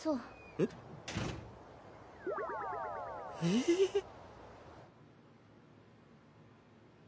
えっ？えっ。